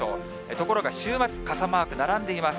ところが週末、傘マーク並んでいます。